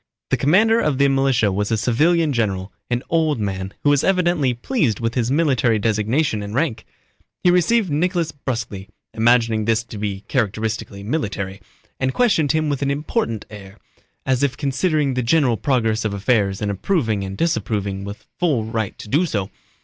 The commander of the militia was a civilian general, an old man who was evidently pleased with his military designation and rank. He received Nicholas brusquely (imagining this to be characteristically military) and questioned him with an important air, as if considering the general progress of affairs and approving and disapproving with full right to do so.